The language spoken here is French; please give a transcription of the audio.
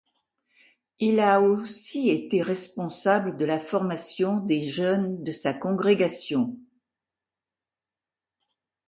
Il a aussi été responsable de la formation des jeunes de sa congrégation.